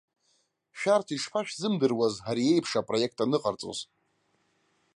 Шәарҭ ишԥашәзымдыруаз ари еиԥш апроект аныҟарҵоз?